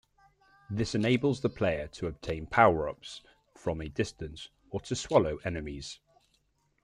This enables the player to obtain power-ups from a distance or to swallow enemies.